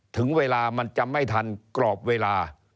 ถึงเวลามันจะไม่ทันกรอบเวลา